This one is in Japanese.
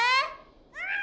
うん！